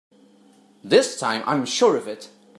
This time I'm sure of it!